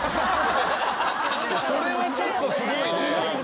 それはちょっとすごいね。